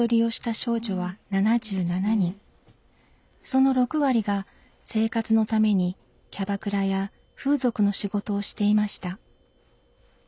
その６割が生活のためにキャバクラや風俗の仕事をしていました。